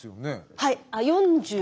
はい。